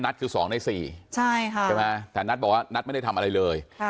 คือ๒ใน๔ใช่ไหมแต่นัทบอกว่านัทไม่ได้ทำอะไรเลย